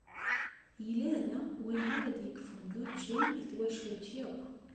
Yella da wayen ara d-yekfun d učči i twacult akk.